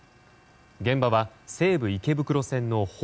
現場は西武池袋線の保